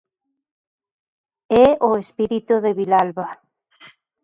É o 'espírito de Vilalba'.